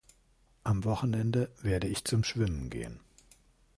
Am Wochenende werde ich zum Schwimmen gehen.